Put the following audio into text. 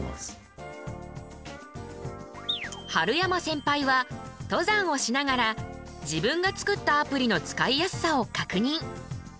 春山センパイは登山をしながら自分が作ったアプリの使いやすさを確認。